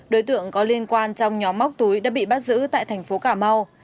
đối tượng có liên quan trong nhóm móc túi đã bị bắt giữ tại thành phố cà mau